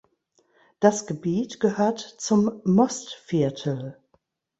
Das Gebiet gehört zum Mostviertel.